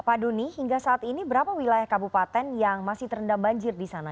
pak doni hingga saat ini berapa wilayah kabupaten yang masih terendam banjir di sana